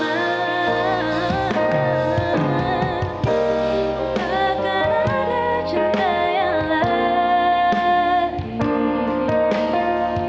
takkan ada cinta yang lagi